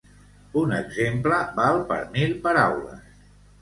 Un exemple val per mil paraules.